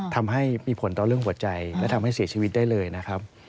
ทำให้มีผลต่อเรื่องหัวใจและทำให้เสียชีวิตได้เลยนะครับ